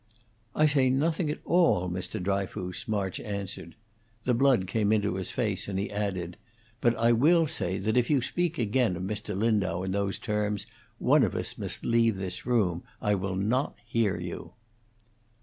"I say nothing at all, Mr. Dryfoos," March answered. The blood came into his face, and he added: "But I will say that if you speak again of Mr. Lindau in those terms, one of us must leave this room. I will not hear you."